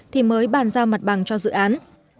thì mới bàn giao mặt bằng cho dự án